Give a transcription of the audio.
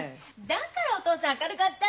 だからお父さん明るかったんだ。